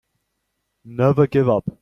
Never give up.